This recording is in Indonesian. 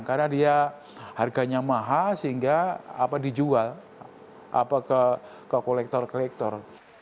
karena dia harganya mahal sehingga dijual ke kolektor kolektor